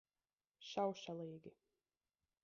Šaušalīgi.